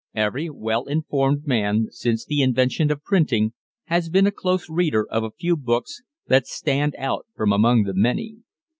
Every well informed man since the invention of printing has been a close reader of a few books that stand out from among the many.